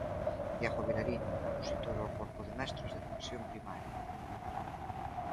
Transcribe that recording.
Diego Vilariño, opositor ao corpo de mestres de Educación Primaria.